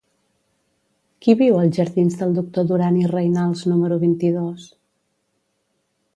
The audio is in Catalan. Qui viu als jardins del Doctor Duran i Reynals número vint-i-dos?